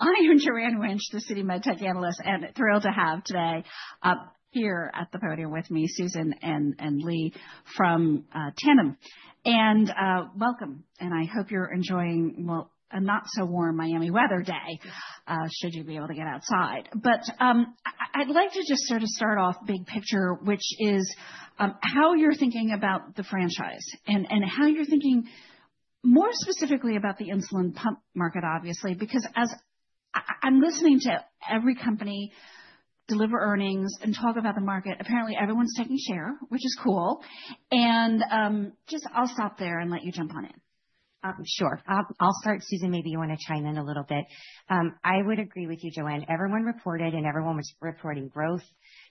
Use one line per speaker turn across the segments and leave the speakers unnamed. I am Joanne Wuensch, the Citi MedTech Analyst, and thrilled to have today here at the podium with me, Susan and Leigh from Tandem. Welcome, and I hope you're enjoying, well, a not-so-warm Miami weather day, should you be able to get outside. I'd like to just sort of start off big picture, which is how you're thinking about the franchise and how you're thinking more specifically about the insulin pump market, obviously, because as I'm listening to every company deliver earnings and talk about the market, apparently everyone's taking share, which is cool. Just, I'll stop there and let you jump on in.
Sure. I'll start, Susan. Maybe you want to chime in a little bit. I would agree with you, Joanne. Everyone reported and everyone was reporting growth.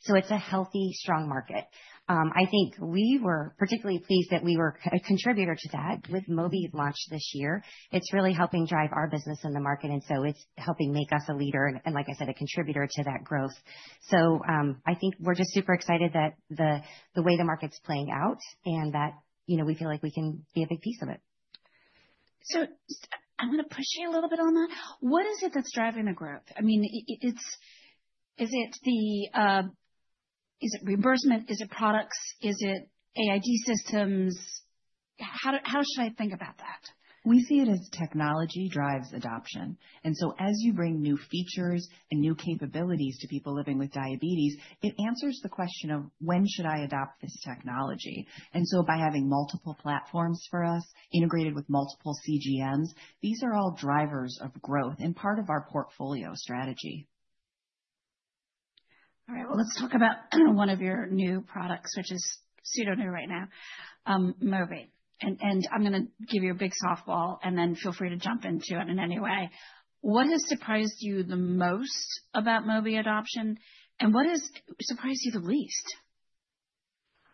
So it's a healthy, strong market. I think we were particularly pleased that we were a contributor to that with Mobi launched this year. It's really helping drive our business in the market, and so it's helping make us a leader and, like I said, a contributor to that growth. So I think we're just super excited that the way the market's playing out and that we feel like we can be a big piece of it.
So I'm going to push you a little bit on that. What is it that's driving the growth? I mean, is it the reimbursement? Is it products? Is it AID systems? How should I think about that?
We see it as technology drives adoption. And so as you bring new features and new capabilities to people living with diabetes, it answers the question of when should I adopt this technology? And so by having multiple platforms for us integrated with multiple CGMs, these are all drivers of growth and part of our portfolio strategy.
All right, well, let's talk about one of your new products, which is pseudo-new right now, Mobi. And I'm going to give you a big softball, and then feel free to jump into it in any way. What has surprised you the most about Mobi adoption, and what has surprised you the least?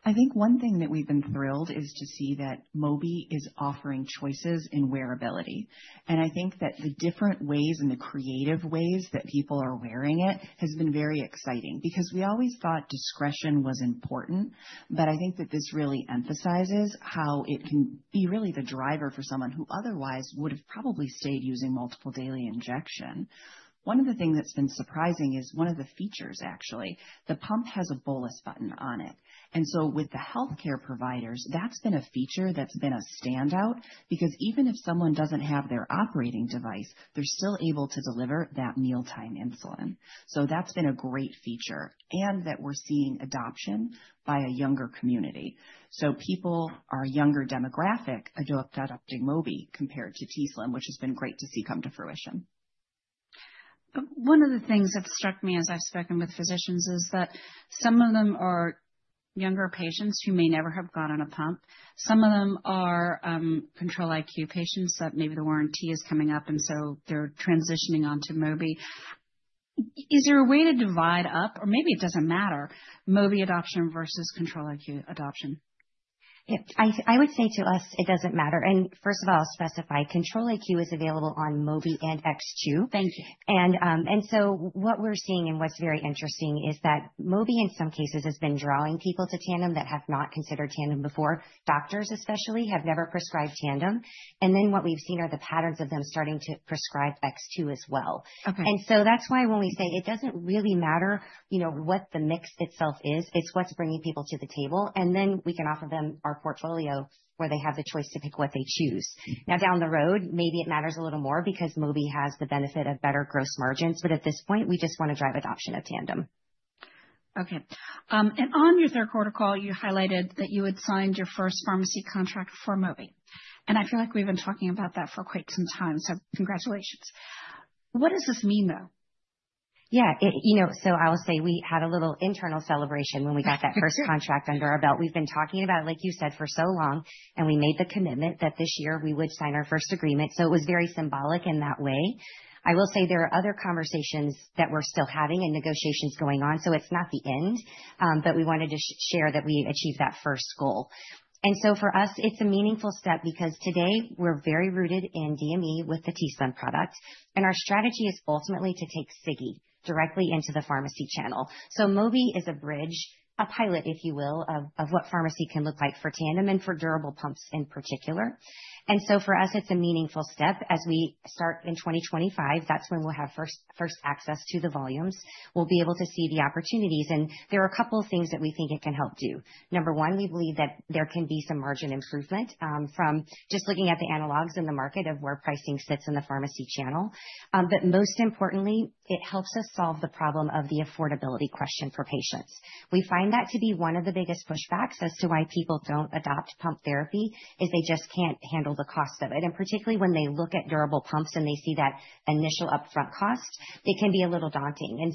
I think one thing that we've been thrilled is to see that Mobi is offering choices in wearability. And I think that the different ways and the creative ways that people are wearing it has been very exciting because we always thought discretion was important, but I think that this really emphasizes how it can be really the driver for someone who otherwise would have probably stayed using multiple daily injections. One of the things that's been surprising is one of the features, actually. The pump has a bolus button on it. And so with the healthcare providers, that's been a feature that's been a standout because even if someone doesn't have their operating device, they're still able to deliver that mealtime insulin. So that's been a great feature and that we're seeing adoption by a younger community. So, people, our younger demographic adopting Mobi compared to t:slim, which has been great to see come to fruition.
One of the things that struck me as I've spoken with physicians is that some of them are younger patients who may never have gone on a pump. Some of them are Control-IQ patients that maybe the warranty is coming up, and so they're transitioning onto Mobi. Is there a way to divide up, or maybe it doesn't matter, Mobi adoption versus Control-IQ adoption?
I would say to us, it doesn't matter, and first of all, I'll specify, Control-IQ is available on Mobi and X2.
Thank you.
And so what we're seeing and what's very interesting is that Mobi, in some cases, has been drawing people to Tandem that have not considered Tandem before. Doctors, especially, have never prescribed Tandem. And then what we've seen are the patterns of them starting to prescribe X2 as well. And so that's why when we say it doesn't really matter what the mix itself is, it's what's bringing people to the table, and then we can offer them our portfolio where they have the choice to pick what they choose. Now, down the road, maybe it matters a little more because Mobi has the benefit of better gross margins, but at this point, we just want to drive adoption of Tandem.
Okay. And on your third quarter call, you highlighted that you had signed your first pharmacy contract for Mobi. And I feel like we've been talking about that for quite some time, so congratulations. What does this mean, though?
Yeah, you know, so I'll say we had a little internal celebration when we got that first contract under our belt. We've been talking about it, like you said, for so long, and we made the commitment that this year we would sign our first agreement. So it was very symbolic in that way. I will say there are other conversations that we're still having and negotiations going on, so it's not the end, but we wanted to share that we achieved that first goal. And so for us, it's a meaningful step because today we're very rooted in DME with the t:slim product, and our strategy is ultimately to take Sigi directly into the pharmacy channel. So Mobi is a bridge, a pilot, if you will, of what pharmacy can look like for Tandem and for durable pumps in particular. And so for us, it's a meaningful step. As we start in 2025, that's when we'll have first access to the volumes. We'll be able to see the opportunities, and there are a couple of things that we think it can help do. Number one, we believe that there can be some margin improvement from just looking at the analogs in the market of where pricing sits in the pharmacy channel. But most importantly, it helps us solve the problem of the affordability question for patients. We find that to be one of the biggest pushbacks as to why people don't adopt pump therapy, is they just can't handle the cost of it. And particularly when they look at durable pumps and they see that initial upfront cost, it can be a little daunting.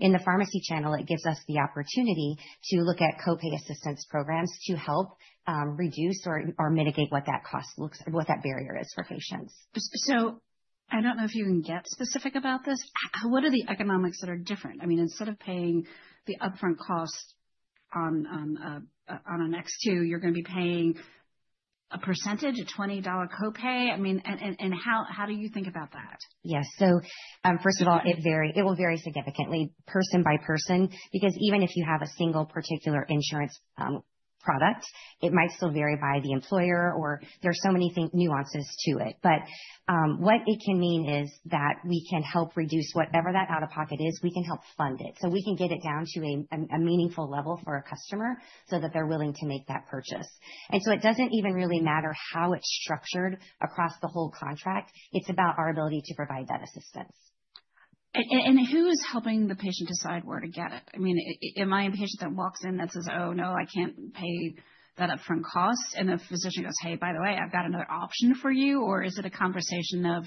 In the pharmacy channel, it gives us the opportunity to look at copay assistance programs to help reduce or mitigate what that cost looks like, what that barrier is for patients.
I don't know if you can get specific about this. What are the economics that are different? I mean, instead of paying the upfront cost on an X2, you're going to be paying a percentage, a $20 copay. I mean, and how do you think about that?
Yes. So first of all, it will vary significantly person by person because even if you have a single particular insurance product, it might still vary by the employer or there are so many nuances to it. But what it can mean is that we can help reduce whatever that out-of-pocket is, we can help fund it. So we can get it down to a meaningful level for a customer so that they're willing to make that purchase. And so it doesn't even really matter how it's structured across the whole contract. It's about our ability to provide that assistance.
And who is helping the patient decide where to get it? I mean, am I a patient that walks in that says, "Oh, no, I can't pay that upfront cost"? And the physician goes, "Hey, by the way, I've got another option for you," or is it a conversation of,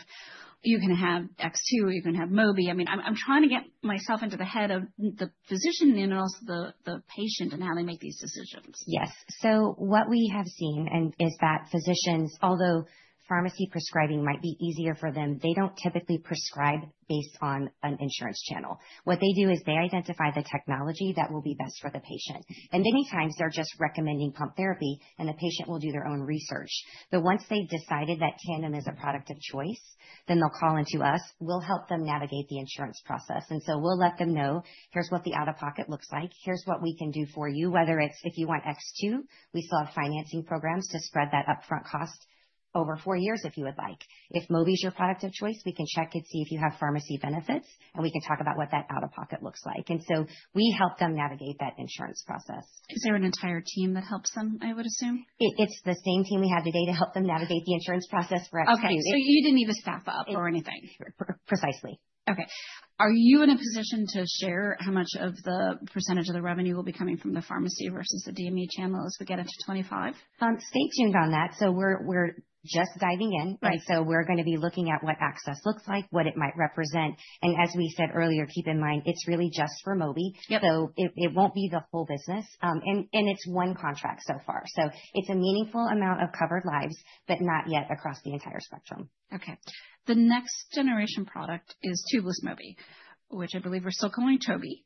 "You can have X2, or you can have Mobi"? I mean, I'm trying to get myself into the head of the physician and also the patient and how they make these decisions.
Yes. So what we have seen is that physicians, although pharmacy prescribing might be easier for them, they don't typically prescribe based on an insurance channel. What they do is they identify the technology that will be best for the patient. And many times they're just recommending pump therapy and the patient will do their own research. But once they've decided that Tandem is a product of choice, then they'll call into us. We'll help them navigate the insurance process. And so we'll let them know, "Here's what the out-of-pocket looks like. Here's what we can do for you," whether it's if you want X2, we still have financing programs to spread that upfront cost over four years if you would like. If Mobi is your product of choice, we can check and see if you have pharmacy benefits and we can talk about what that out-of-pocket looks like. We help them navigate that insurance process.
Is there an entire team that helps them, I would assume?
It's the same team we have today to help them navigate the insurance process for X2.
Okay. So you didn't even staff up or anything?
Precisely.
Okay. Are you in a position to share how much of the percentage of the revenue will be coming from the pharmacy versus the DME channel as we get into 2025?
Stay tuned on that. We're just diving in. We're going to be looking at what access looks like, what it might represent. As we said earlier, keep in mind, it's really just for Mobi. It won't be the whole business. It's one contract so far. It's a meaningful amount of covered lives, but not yet across the entire spectrum.
Okay. The next generation product is tubeless Mobi, which I believe we're still calling Tobi.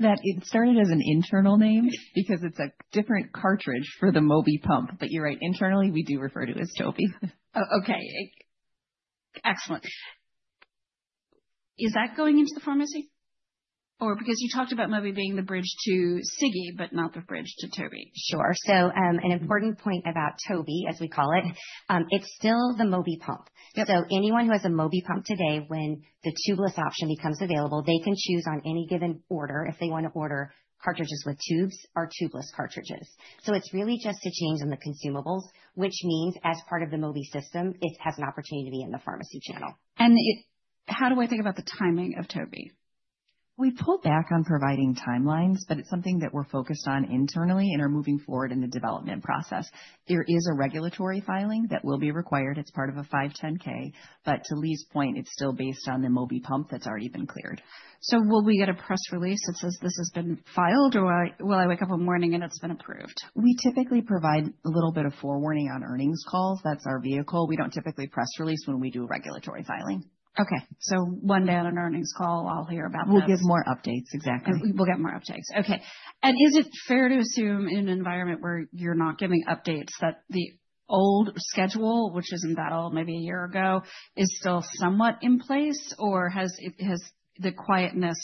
That started as an internal name because it's a different cartridge for the Mobi pump, but you're right, internally we do refer to it as Tobi.
Oh, okay. Excellent. Is that going into the pharmacy? Or because you talked about Mobi being the bridge to Sigi, but not the bridge to Tobi.
Sure. So an important point about Tobi, as we call it, it's still the Mobi pump. So anyone who has a Mobi pump today, when the tubeless option becomes available, they can choose on any given order if they want to order cartridges with tubes or tubeless cartridges. So it's really just a change in the consumables, which means as part of the Mobi system, it has an opportunity to be in the pharmacy channel.
How do I think about the timing of Tobi?
We pulled back on providing timelines, but it's something that we're focused on internally and are moving forward in the development process. There is a regulatory filing that will be required. It's part of a 510(k). But to Leigh's point, it's still based on the Mobi pump that's already been cleared.
Will we get a press release that says this has been filed or will I wake up one morning and it's been approved?
We typically provide a little bit of forewarning on earnings calls. That's our vehicle. We don't typically press release when we do regulatory filing.
Okay. So one day on an earnings call, I'll hear about that.
We'll give more updates. Exactly.
We'll get more updates. Okay. Is it fair to assume in an environment where you're not giving updates that the old schedule, which isn't that old, maybe a year ago, is still somewhat in place or has the quietness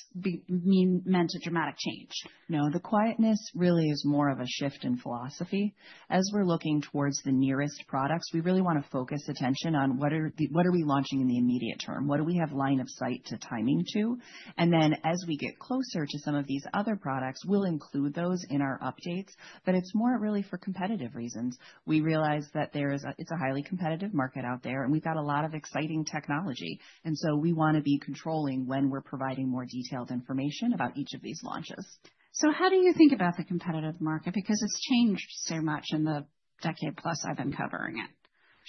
meant a dramatic change?
No, the quietness really is more of a shift in philosophy. As we're looking towards the nearest products, we really want to focus attention on what are we launching in the immediate term? What do we have line of sight to timing to? And then as we get closer to some of these other products, we'll include those in our updates. But it's more really for competitive reasons. We realize that it's a highly competitive market out there and we've got a lot of exciting technology. And so we want to be controlling when we're providing more detailed information about each of these launches.
How do you think about the competitive market? Because it's changed so much in the decade plus I've been covering it.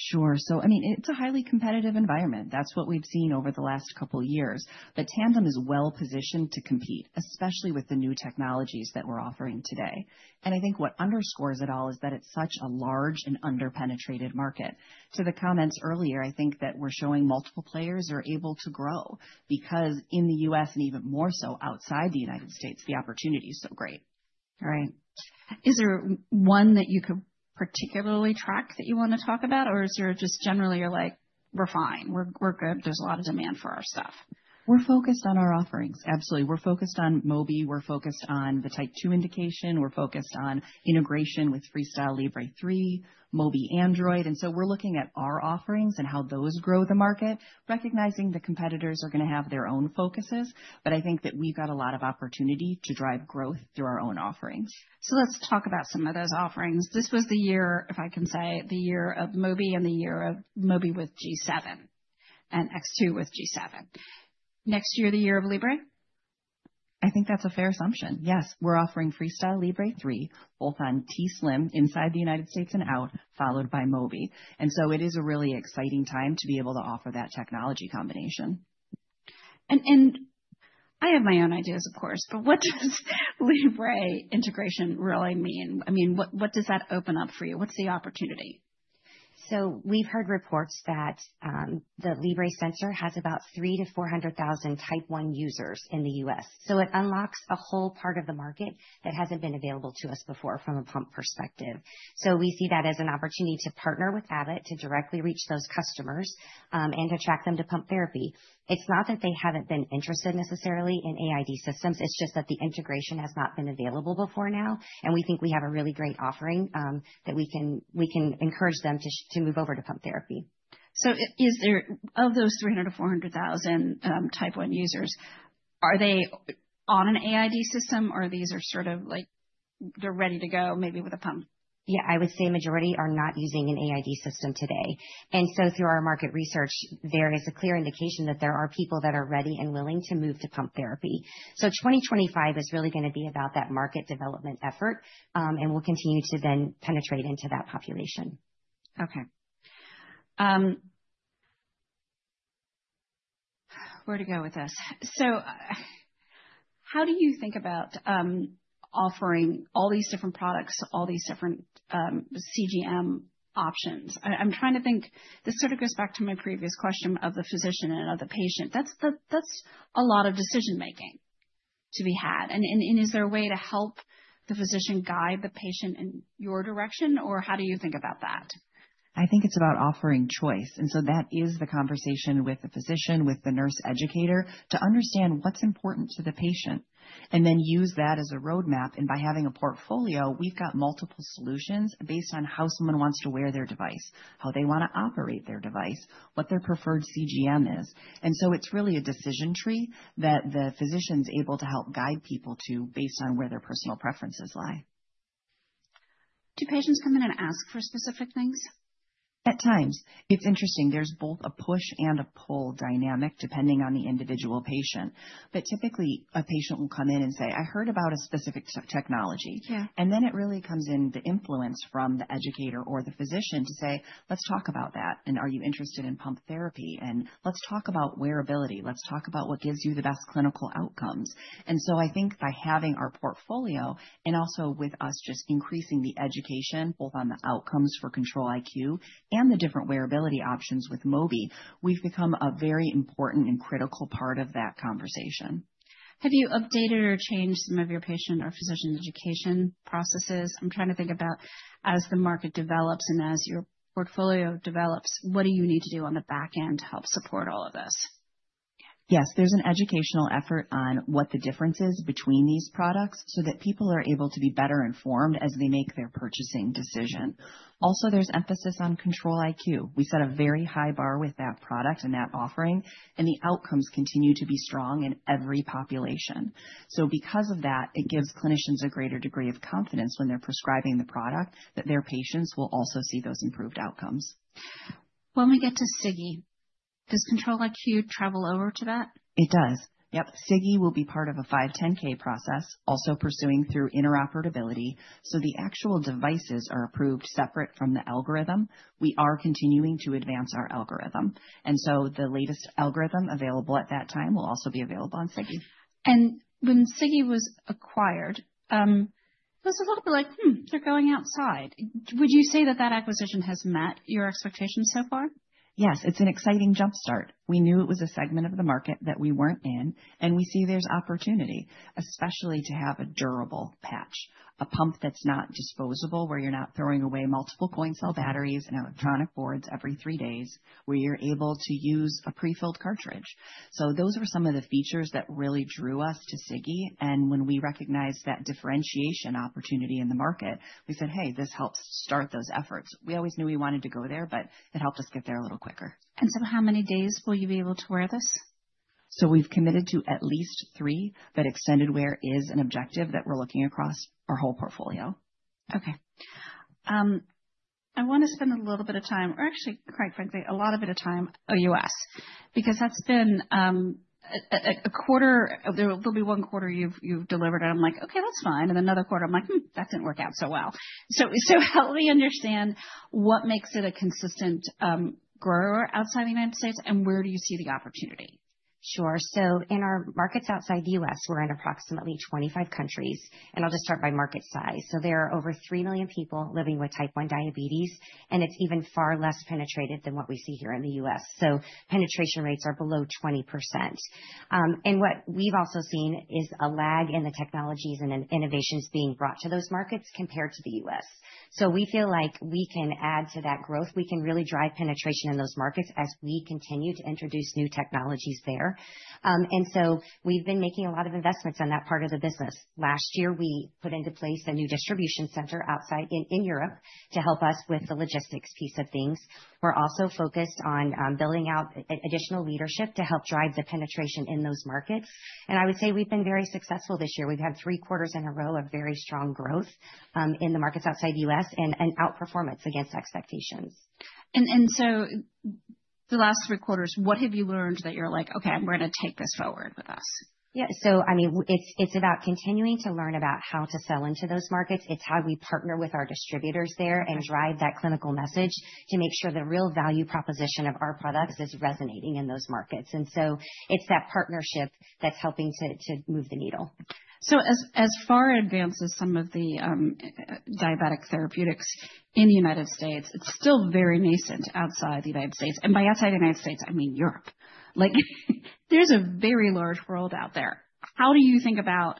Sure. So I mean, it's a highly competitive environment. That's what we've seen over the last couple of years. But Tandem is well positioned to compete, especially with the new technologies that we're offering today. And I think what underscores it all is that it's such a large and under-penetrated market. To the comments earlier, I think that we're showing multiple players are able to grow because in the U.S. and even more so outside the United States, the opportunity is so great.
All right. Is there one that you could particularly track that you want to talk about, or is there just generally you're like, "We're fine. We're good. There's a lot of demand for our stuff?
We're focused on our offerings. Absolutely. We're focused on Mobi. We're focused on the type 2 indication. We're focused on integration with FreeStyle Libre 3, Mobi Android. And so we're looking at our offerings and how those grow the market, recognizing the competitors are going to have their own focuses. But I think that we've got a lot of opportunity to drive growth through our own offerings.
So let's talk about some of those offerings. This was the year, if I can say, the year of Mobi and the year of Mobi with G7 and X2 with G7. Next year, the year of Libre?
I think that's a fair assumption. Yes, we're offering FreeStyle Libre 3, both on t:slim inside the United States and out, followed by Mobi. And so it is a really exciting time to be able to offer that technology combination.
I have my own ideas, of course, but what does Libre integration really mean? I mean, what does that open up for you? What's the opportunity?
We've heard reports that the Libre sensor has about 3,000-400,000 Type 1 users in the U.S. It unlocks a whole part of the market that hasn't been available to us before from a pump perspective. We see that as an opportunity to partner with Abbott to directly reach those customers and attract them to pump therapy. It's not that they haven't been interested necessarily in AID systems. It's just that the integration has not been available before now. We think we have a really great offering that we can encourage them to move over to pump therapy.
So of those 300,000-400,000 Type 1 users, are they on an AID system or these are sort of like they're ready to go maybe with a pump?
Yeah, I would say a majority are not using an AID system today, and so through our market research, there is a clear indication that there are people that are ready and willing to move to pump therapy, so 2025 is really going to be about that market development effort, and we'll continue to then penetrate into that population.
Okay. Where to go with this? So how do you think about offering all these different products, all these different CGM options? I'm trying to think. This sort of goes back to my previous question of the physician and of the patient. That's a lot of decision-making to be had. And is there a way to help the physician guide the patient in your direction, or how do you think about that?
I think it's about offering choice. And so that is the conversation with the physician, with the nurse educator, to understand what's important to the patient and then use that as a roadmap. And by having a portfolio, we've got multiple solutions based on how someone wants to wear their device, how they want to operate their device, what their preferred CGM is. And so it's really a decision tree that the physician's able to help guide people to based on where their personal preferences lie.
Do patients come in and ask for specific things?
At times. It's interesting. There's both a push and a pull dynamic depending on the individual patient. But typically, a patient will come in and say, "I heard about a specific technology." And then it really comes in the influence from the educator or the physician to say, "Let's talk about that. And are you interested in pump therapy? And let's talk about wearability. Let's talk about what gives you the best clinical outcomes." And so I think by having our portfolio and also with us just increasing the education, both on the outcomes for Control-IQ and the different wearability options with Mobi, we've become a very important and critical part of that conversation.
Have you updated or changed some of your patient or physician education processes? I'm trying to think about as the market develops and as your portfolio develops, what do you need to do on the back end to help support all of this?
Yes, there's an educational effort on what the difference is between these products so that people are able to be better informed as they make their purchasing decision. Also, there's emphasis on Control-IQ. We set a very high bar with that product and that offering, and the outcomes continue to be strong in every population. So because of that, it gives clinicians a greater degree of confidence when they're prescribing the product that their patients will also see those improved outcomes.
When we get to Sigi, does Control-IQ travel over to that?
It does. Yep. Sigi will be part of a 510(k) process, also pursuing through interoperability. So the actual devices are approved separate from the algorithm. We are continuing to advance our algorithm. And so the latest algorithm available at that time will also be available on Sigi.
When Sigi was acquired, it was a little bit like, they're going outside. Would you say that that acquisition has met your expectations so far?
Yes, it's an exciting jump start. We knew it was a segment of the market that we weren't in, and we see there's opportunity, especially to have a durable patch, a pump that's not disposable where you're not throwing away multiple coin cell batteries and electronic boards every three days where you're able to use a prefilled cartridge. So those are some of the features that really drew us to Sigi. And when we recognized that differentiation opportunity in the market, we said, "Hey, this helps start those efforts." We always knew we wanted to go there, but it helped us get there a little quicker.
And so how many days will you be able to wear this?
So we've committed to at least three, but extended wear is an objective that we're looking across our whole portfolio.
Okay. I want to spend a little bit of time, or actually, quite frankly, a lot of time. OUS, because that's been a quarter. There'll be one quarter you've delivered, and I'm like, "Okay, that's fine." And another quarter, I'm like, that didn't work out so well." So help me understand what makes it a consistent grower outside the United States and where do you see the opportunity?
Sure. So in our markets outside the U.S., we're in approximately 25 countries. And I'll just start by market size. So there are over three million people living with type 1 diabetes, and it's even far less penetrated than what we see here in the U.S. So penetration rates are below 20%. And what we've also seen is a lag in the technologies and innovations being brought to those markets compared to the U.S. So we feel like we can add to that growth. We can really drive penetration in those markets as we continue to introduce new technologies there. And so we've been making a lot of investments on that part of the business. Last year, we put into place a new distribution center outside in Europe to help us with the logistics piece of things. We're also focused on building out additional leadership to help drive the penetration in those markets. And I would say we've been very successful this year. We've had three quarters in a row of very strong growth in the markets outside the U.S. and outperformance against expectations.
And so the last three quarters, what have you learned that you're like, "Okay, we're going to take this forward with us"?
Yeah, so I mean, it's about continuing to learn about how to sell into those markets. It's how we partner with our distributors there and drive that clinical message to make sure the real value proposition of our products is resonating in those markets, and so it's that partnership that's helping to move the needle.
As far advanced as some of the diabetic therapeutics in the United States, it's still very nascent outside the United States. By outside the United States, I mean Europe. There's a very large world out there. How do you think about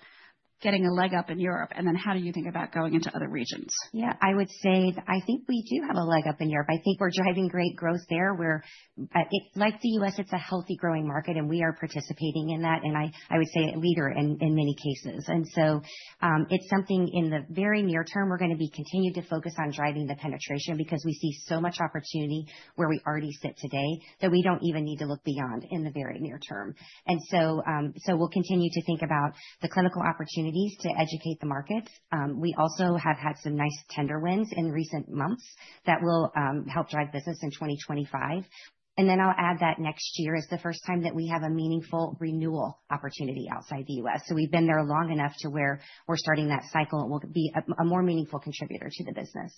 getting a leg up in Europe, and then how do you think about going into other regions?
Yeah, I would say that I think we do have a leg up in Europe. I think we're driving great growth there. Like the U.S., it's a healthy growing market, and we are participating in that. And I would say a leader in many cases. And so it's something in the very near term, we're going to be continuing to focus on driving the penetration because we see so much opportunity where we already sit today that we don't even need to look beyond in the very near term. And so we'll continue to think about the clinical opportunities to educate the markets. We also have had some nice tender wins in recent months that will help drive business in 2025. And then I'll add that next year is the first time that we have a meaningful renewal opportunity outside the U.S. so we've been there long enough to where we're starting that cycle and we'll be a more meaningful contributor to the business.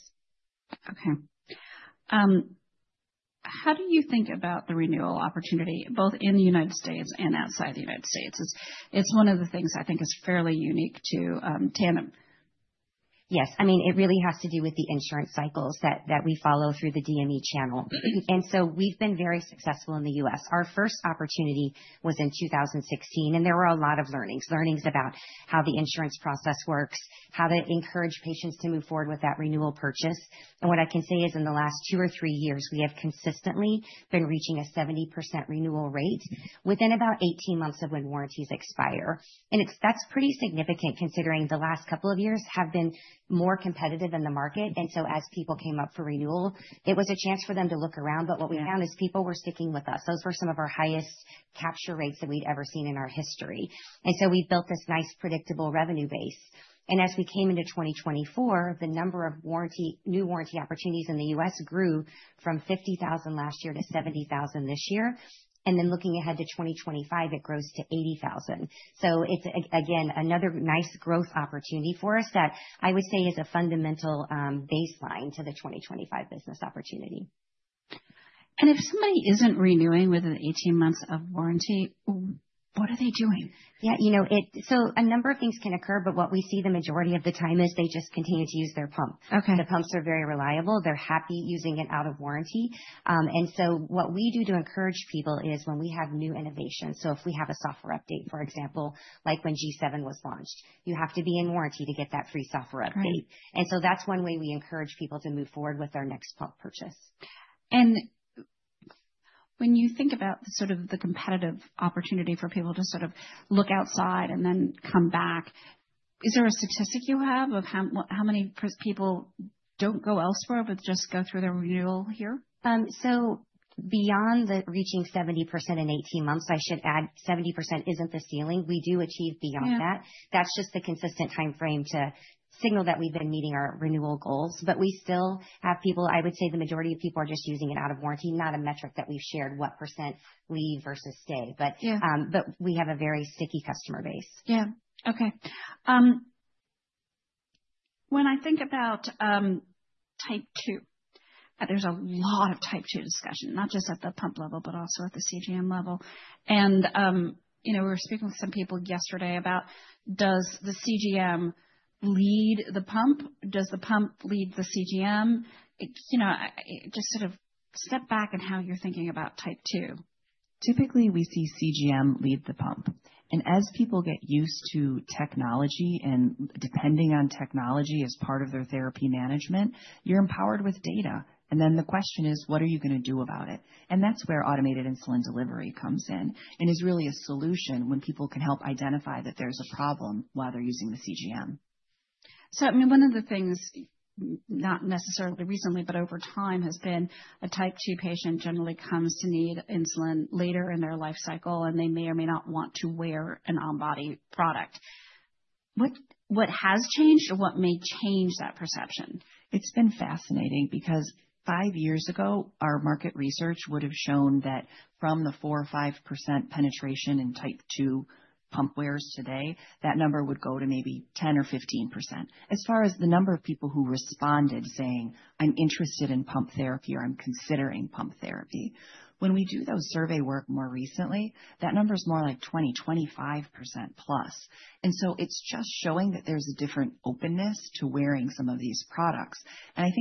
Okay. How do you think about the renewal opportunity both in the United States and outside the United States? It's one of the things I think is fairly unique to Tandem. Yes. I mean, it really has to do with the insurance cycles that we follow through the DME channel. And so we've been very successful in the U.S. Our first opportunity was in 2016, and there were a lot of learnings, learnings about how the insurance process works, how to encourage patients to move forward with that renewal purchase. And what I can say is in the last two or three years, we have consistently been reaching a 70% renewal rate within about 18 months of when warranties expire. And that's pretty significant considering the last couple of years have been more competitive in the market. And so as people came up for renewal, it was a chance for them to look around. But what we found is people were sticking with us. Those were some of our highest capture rates that we'd ever seen in our history. And so we built this nice predictable revenue base. And as we came into 2024, the number of new warranty opportunities in the U.S. grew from 50,000 last year to 70,000 this year. And then looking ahead to 2025, it grows to 80,000. So it's, again, another nice growth opportunity for us that I would say is a fundamental baseline to the 2025 business opportunity. If somebody isn't renewing within 18 months of warranty, what are they doing?
Yeah, you know, so a number of things can occur, but what we see the majority of the time is they just continue to use their pump. The pumps are very reliable. They're happy using it out of warranty. And so what we do to encourage people is when we have new innovations. So if we have a software update, for example, like when G7 was launched, you have to be in warranty to get that free software update. And so that's one way we encourage people to move forward with their next pump purchase.
When you think about sort of the competitive opportunity for people to sort of look outside and then come back, is there a statistic you have of how many people don't go elsewhere but just go through their renewal here?
Beyond the reaching 70% in 18 months, I should add 70% isn't the ceiling. We do achieve beyond that. That's just the consistent timeframe to signal that we've been meeting our renewal goals. But we still have people. I would say the majority of people are just using it out of warranty, not a metric that we've shared what % leave versus stay. But we have a very sticky customer base.
Yeah. Okay. When I think about Type 2, there's a lot of Type 2 discussion, not just at the pump level, but also at the CGM level. And we were speaking with some people yesterday about does the CGM lead the pump? Does the pump lead the CGM? Just sort of step back in how you're thinking about Type 2.
Typically, we see CGM lead the pump, and as people get used to technology and depending on technology as part of their therapy management, you're empowered with data, and then the question is, what are you going to do about it, and that's where automated insulin delivery comes in and is really a solution when people can help identify that there's a problem while they're using the CGM.
So I mean, one of the things, not necessarily recently, but over time has been a Type 2 patient generally comes to need insulin later in their life cycle, and they may or may not want to wear an on-body product. What has changed or what may change that perception?
It's been fascinating because five years ago, our market research would have shown that from the 4% or 5% penetration in Type 2 pump wearers today, that number would go to maybe 10% or 15%. As far as the number of people who responded saying, "I'm interested in pump therapy" or "I'm considering pump therapy," when we do those survey work more recently, that number is more like 20%, 25% plus. And so it's just showing that there's a different openness to wearing some of these products. And I'm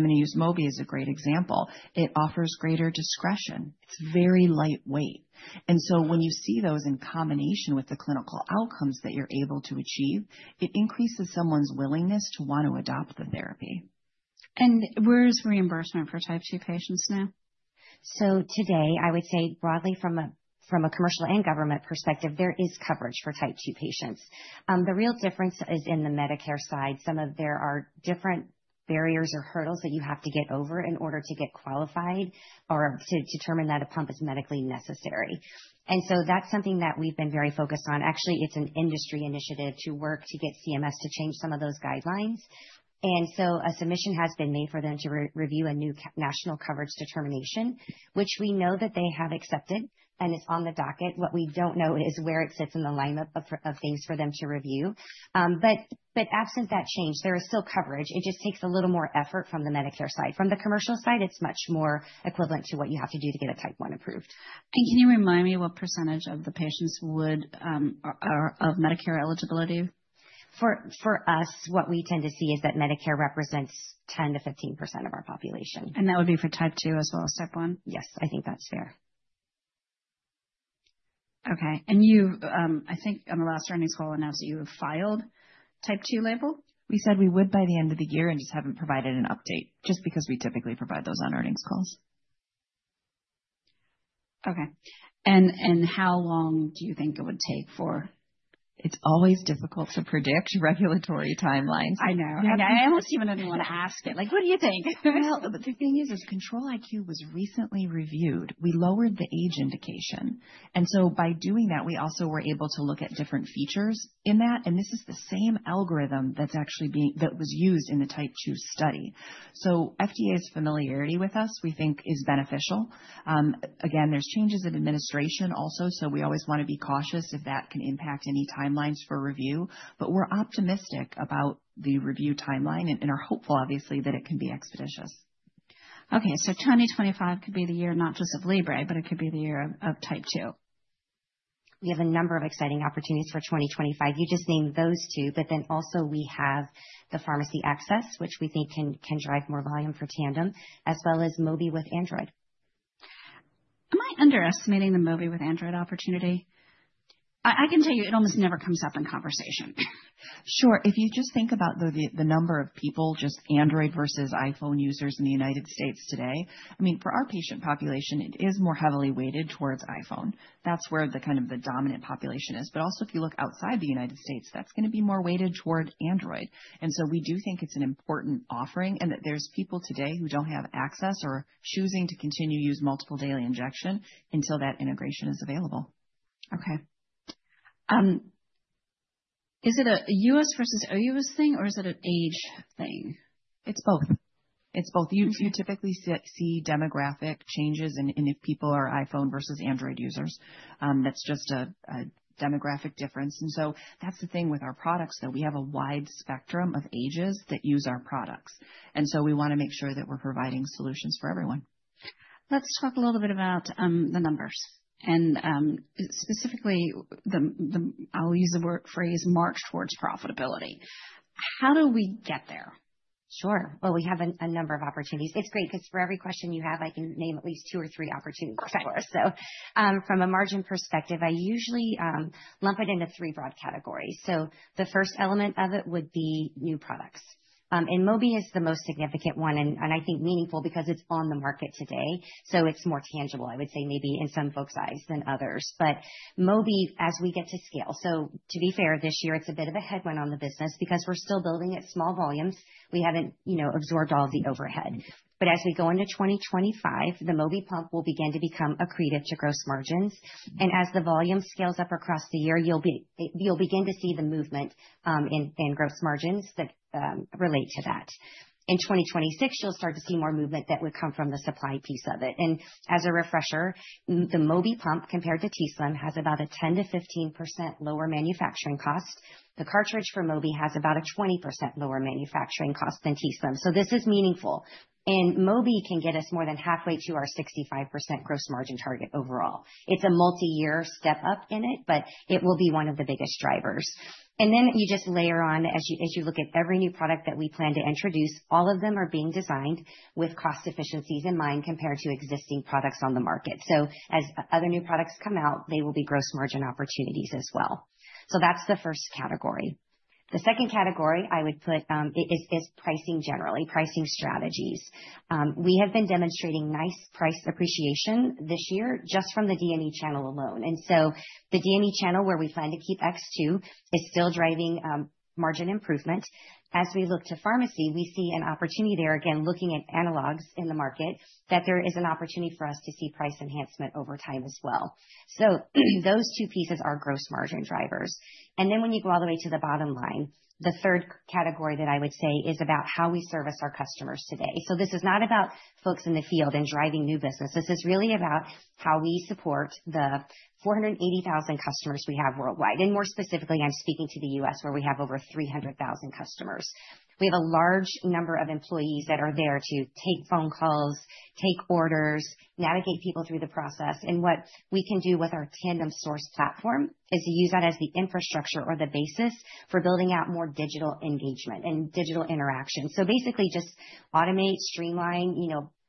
going to use Mobi as a great example. It offers greater discretion. It's very lightweight. And so when you see those in combination with the clinical outcomes that you're able to achieve, it increases someone's willingness to want to adopt the therapy.
Where's reimbursement for Type 2 patients now?
Today, I would say broadly from a commercial and government perspective, there is coverage for Type 2 patients. The real difference is in the Medicare side. Some of them are different barriers or hurdles that you have to get over in order to get qualified or to determine that a pump is medically necessary. That's something that we've been very focused on. Actually, it's an industry initiative to work to get CMS to change some of those guidelines. A submission has been made for them to review a new national coverage determination, which we know that they have accepted and it's on the docket. What we don't know is where it sits in the lineup of things for them to review. Absent that change, there is still coverage. It just takes a little more effort from the Medicare side. From the commercial side, it's much more equivalent to what you have to do to get a Type 1 approved.
Can you remind me what percentage of the patients are of Medicare eligibility?
For us, what we tend to see is that Medicare represents 10%-15% of our population.
That would be for type 2 as well as type 1?
Yes, I think that's fair.
Okay, and I think on the last earnings call, I know that you have filed Type 2 label.
We said we would by the end of the year and just haven't provided an update just because we typically provide those on earnings calls.
Okay. And how long do you think it would take for?
It's always difficult to predict regulatory timelines.
I know. And I almost even didn't want to ask it. Like, what do you think?
The thing is, as Control-IQ was recently reviewed, we lowered the age indication. And so by doing that, we also were able to look at different features in that. And this is the same algorithm that was used in the Type 2 study. So FDA's familiarity with us, we think, is beneficial. Again, there's changes in administration also, so we always want to be cautious if that can impact any timelines for review. But we're optimistic about the review timeline and are hopeful, obviously, that it can be expeditious.
Okay, so 2025 could be the year not just of Libre, but it could be the year of Type 2.
We have a number of exciting opportunities for 2025. You just named those two, but then also we have the pharmacy access, which we think can drive more volume for Tandem, as well as Mobi with Android.
Am I underestimating the Mobi with Android opportunity? I can tell you it almost never comes up in conversation.
Sure. If you just think about the number of people, just Android versus iPhone users in the United States today, I mean, for our patient population, it is more heavily weighted towards iPhone. That's where kind of the dominant population is. But also, if you look outside the United States, that's going to be more weighted toward Android. And so we do think it's an important offering and that there's people today who don't have access or choosing to continue to use multiple daily injection until that integration is available.
Okay. Is it a U.S. versus OUS thing, or is it an age thing?
It's both. It's both. You typically see demographic changes in if people are iPhone versus Android users. That's just a demographic difference. And so that's the thing with our products, though. We have a wide spectrum of ages that use our products. And so we want to make sure that we're providing solutions for everyone.
Let's talk a little bit about the numbers and specifically, I'll use the phrase march towards profitability. How do we get there?
Sure, well, we have a number of opportunities. It's great because for every question you have, I can name at least two or three opportunities for us, so from a margin perspective, I usually lump it into three broad categories, so the first element of it would be new products, and Mobi is the most significant one and I think meaningful because it's on the market today, so it's more tangible, I would say, maybe in some folks' eyes than others, but Mobi, as we get to scale, so to be fair, this year, it's a bit of a headwind on the business because we're still building at small volumes. We haven't absorbed all of the overhead, but as we go into 2025, the Mobi pump will begin to become accretive to gross margins. And as the volume scales up across the year, you'll begin to see the movement in gross margins that relate to that. In 2026, you'll start to see more movement that would come from the supply piece of it. And as a refresher, the Mobi pump compared to t:slim has about a 10%-15% lower manufacturing cost. The cartridge for Mobi has about a 20% lower manufacturing cost than t:slim. So this is meaningful. And Mobi can get us more than halfway to our 65% gross margin target overall. It's a multi-year step up in it, but it will be one of the biggest drivers. And then you just layer on as you look at every new product that we plan to introduce, all of them are being designed with cost efficiencies in mind compared to existing products on the market. So as other new products come out, they will be gross margin opportunities as well. So that's the first category. The second category I would put is pricing generally, pricing strategies. We have been demonstrating nice price appreciation this year just from the DME channel alone. And so the DME channel where we plan to keep X2 is still driving margin improvement. As we look to pharmacy, we see an opportunity there, again, looking at analogs in the market, that there is an opportunity for us to see price enhancement over time as well. So those two pieces are gross margin drivers. And then when you go all the way to the bottom line, the third category that I would say is about how we service our customers today. So this is not about folks in the field and driving new business. This is really about how we support the 480,000 customers we have worldwide, and more specifically, I'm speaking to the U.S. where we have over 300,000 customers. We have a large number of employees that are there to take phone calls, take orders, navigate people through the process, and what we can do with our Tandem Source platform is use that as the infrastructure or the basis for building out more digital engagement and digital interaction, so basically just automate, streamline,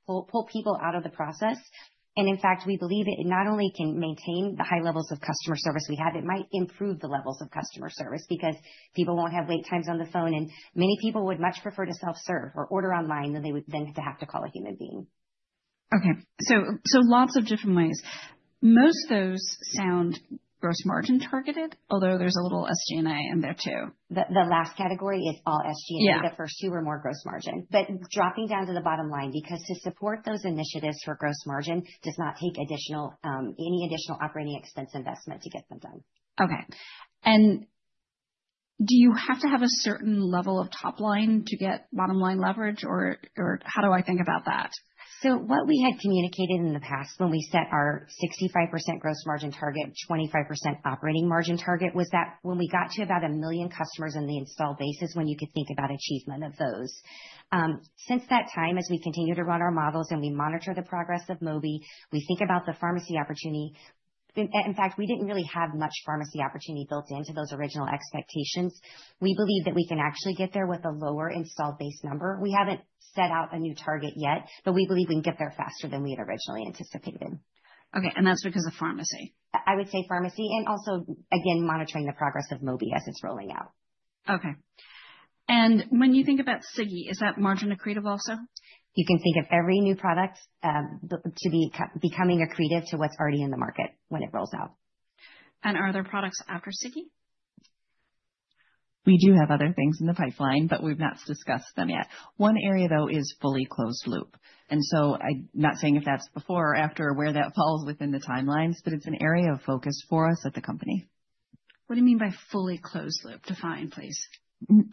pull people out of the process, and in fact, we believe it not only can maintain the high levels of customer service we have, it might improve the levels of customer service because people won't have wait times on the phone, and many people would much prefer to self-serve or order online than they would then have to call a human being.
Okay. So lots of different ways. Most of those sound gross margin targeted, although there's a little SG&A in there too.
The last category is all SG&A. The first two are more gross margin, but dropping down to the bottom line because to support those initiatives for gross margin does not take any additional operating expense investment to get them done.
Okay. And do you have to have a certain level of top line to get bottom line leverage, or how do I think about that?
So what we had communicated in the past when we set our 65% gross margin target, 25% operating margin target was that when we got to about a million customers in the installed base when you could think about achievement of those. Since that time, as we continue to run our models and we monitor the progress of Mobi, we think about the pharmacy opportunity. In fact, we didn't really have much pharmacy opportunity built into those original expectations. We believe that we can actually get there with a lower install base number. We haven't set out a new target yet, but we believe we can get there faster than we had originally anticipated.
Okay. And that's because of pharmacy?
I would say pharmacy and also, again, monitoring the progress of Mobi as it's rolling out.
Okay, and when you think about Sigi, is that margin accretive also?
You can think of every new product to be becoming accretive to what's already in the market when it rolls out.
Are there products after Sigi?
We do have other things in the pipeline, but we've not discussed them yet. One area, though, is fully closed loop. And so I'm not saying if that's before or after or where that falls within the timelines, but it's an area of focus for us at the company.
What do you mean by fully closed loop? Define, please.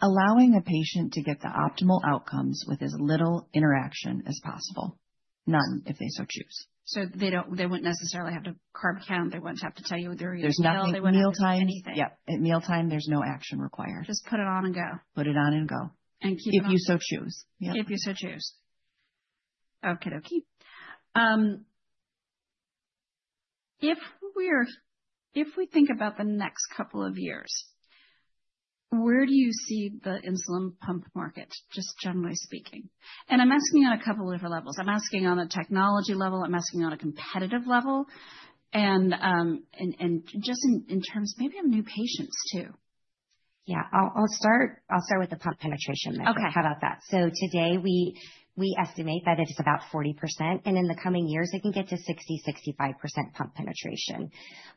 Allowing a patient to get the optimal outcomes with as little interaction as possible. None if they so choose.
So they wouldn't necessarily have to carb count. They wouldn't have to tell you whether they're eating or it's mealtime.
There's nothing. Yeah. At mealtime, there's no action required.
Just put it on and go.
Put it on and go.
Keep it on.
If you so choose.
If you so choose. Okie dokie. If we think about the next couple of years, where do you see the insulin pump market, just generally speaking? And I'm asking on a couple of different levels. I'm asking on a technology level. I'm asking on a competitive level and just in terms maybe of new patients too.
Yeah. I'll start with the pump penetration measure. How about that? So today, we estimate that it's about 40%. And in the coming years, it can get to 60%, 65% pump penetration.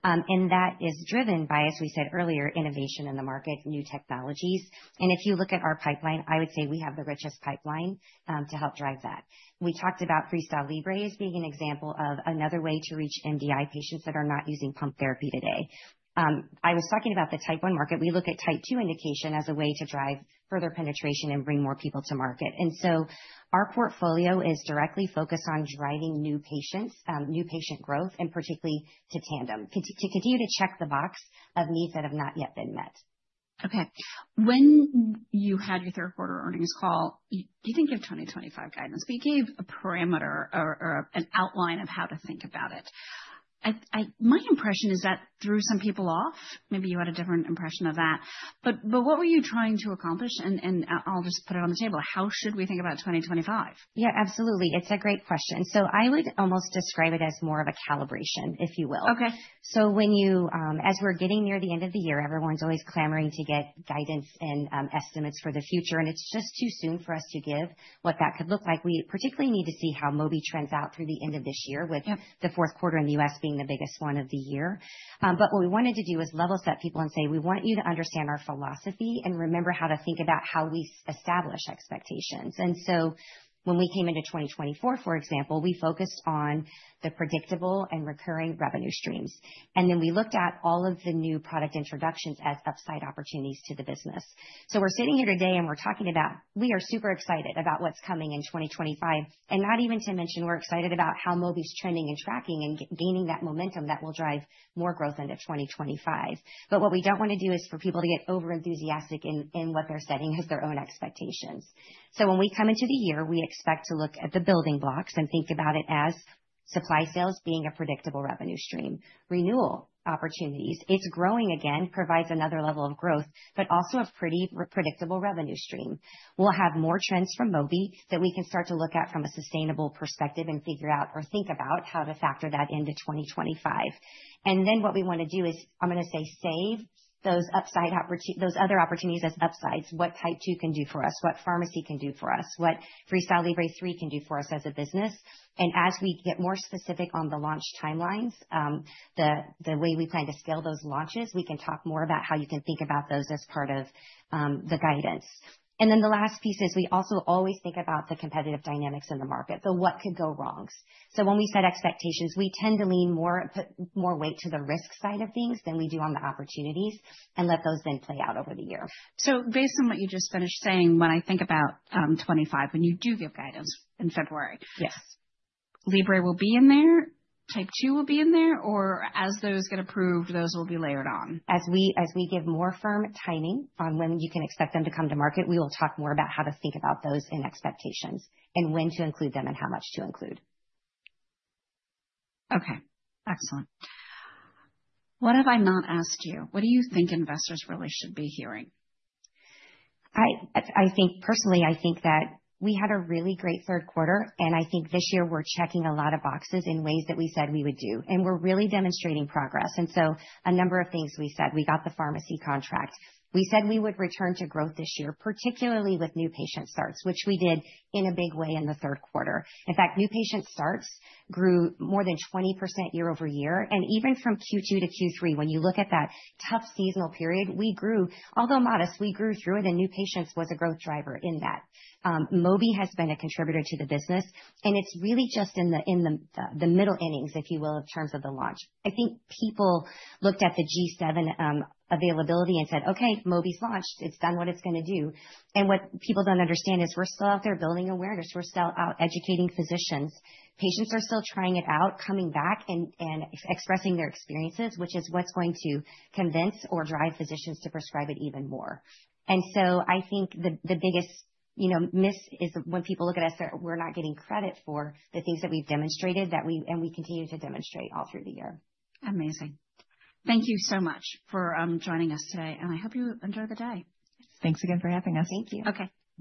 And that is driven by, as we said earlier, innovation in the market, new technologies. And if you look at our pipeline, I would say we have the richest pipeline to help drive that. We talked about FreeStyle Libre as being an example of another way to reach MDI patients that are not using pump therapy today. I was talking about the Type 1 market. We look at Type 2 indication as a way to drive further penetration and bring more people to market. And so our portfolio is directly focused on driving new patients, new patient growth, and particularly to Tandem, to continue to check the box of needs that have not yet been met.
Okay. When you had your third quarter earnings call, you didn't give 2025 guidance, but you gave a parameter or an outline of how to think about it. My impression is that threw some people off. Maybe you had a different impression of that. But what were you trying to accomplish? And I'll just put it on the table. How should we think about 2025?
Yeah, absolutely. It's a great question. So I would almost describe it as more of a calibration, if you will. So as we're getting near the end of the year, everyone's always clamoring to get guidance and estimates for the future. And it's just too soon for us to give what that could look like. We particularly need to see how Mobi trends out through the end of this year, with the fourth quarter in the U.S. being the biggest one of the year. But what we wanted to do is level set people and say, "We want you to understand our philosophy and remember how to think about how we establish expectations." And so when we came into 2024, for example, we focused on the predictable and recurring revenue streams. And then we looked at all of the new product introductions as upside opportunities to the business. So we're sitting here today and we're talking about we are super excited about what's coming in 2025. And not even to mention, we're excited about how Mobi's trending and tracking and gaining that momentum that will drive more growth into 2025. But what we don't want to do is for people to get over enthusiastic in what they're setting as their own expectations. So when we come into the year, we expect to look at the building blocks and think about it as supply sales being a predictable revenue stream, renewal opportunities. It's growing again, provides another level of growth, but also a pretty predictable revenue stream. We'll have more trends from Mobi that we can start to look at from a sustainable perspective and figure out or think about how to factor that into 2025. And then what we want to do is, I'm going to say, save those other opportunities as upsides, what Type 2 can do for us, what pharmacy can do for us, what FreeStyle Libre 3 can do for us as a business. And as we get more specific on the launch timelines, the way we plan to scale those launches, we can talk more about how you can think about those as part of the guidance. And then the last piece is we also always think about the competitive dynamics in the market. So what could go wrong? So when we set expectations, we tend to lean more weight to the risk side of things than we do on the opportunities and let those then play out over the year.
So based on what you just finished saying, when I think about 2025, when you do give guidance in February, Libre will be in there, type 2 will be in there, or as those get approved, those will be layered on?
As we give more firm timing on when you can expect them to come to market, we will talk more about how to think about those in expectations and when to include them and how much to include.
Okay. Excellent. What have I not asked you? What do you think investors really should be hearing?
I think personally, I think that we had a really great third quarter, and I think this year we're checking a lot of boxes in ways that we said we would do, and we're really demonstrating progress, and so a number of things we said. We got the pharmacy contract. We said we would return to growth this year, particularly with new patient starts, which we did in a big way in the third quarter. In fact, new patient starts grew more than 20% year over year, and even from Q2 to Q3, when you look at that tough seasonal period, we grew, although modest, we grew through it, and new patients was a growth driver in that. Mobi has been a contributor to the business, and it's really just in the middle innings, if you will, in terms of the launch. I think people looked at the G7 availability and said, "Okay, Mobi's launched. It's done what it's going to do," and what people don't understand is we're still out there building awareness. We're still out educating physicians. Patients are still trying it out, coming back and expressing their experiences, which is what's going to convince or drive physicians to prescribe it even more, and so I think the biggest miss is when people look at us, we're not getting credit for the things that we've demonstrated and we continue to demonstrate all through the year.
Amazing. Thank you so much for joining us today, and I hope you enjoy the day.
Thanks again for having us.
Thank you.
Okay.